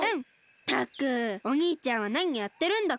ったくおにいちゃんはなにやってるんだか。